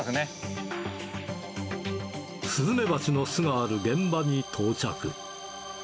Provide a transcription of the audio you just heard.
スズメバチの巣がある現場に到着。